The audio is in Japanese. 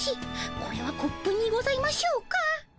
これはコップにございましょうか。